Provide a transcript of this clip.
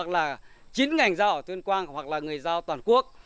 là chính người giao ở tuyên quang hoặc là người giao toàn quốc